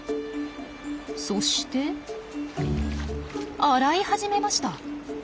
そして洗い始めました。